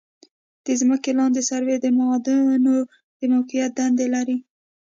د ځمکې لاندې سروې د معادنو د موقعیت دنده لري